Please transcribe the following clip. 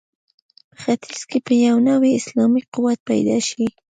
په ختیځ کې به یو نوی اسلامي قوت پیدا شي.